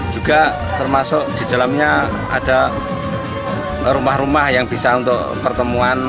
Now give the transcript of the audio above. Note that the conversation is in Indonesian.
juga termasuk di dalamnya ada rumah rumah yang bisa untuk pertemuan